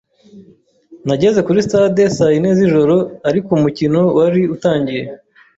Nageze kuri stade saa yine zijoro, ariko umukino wari utangiye.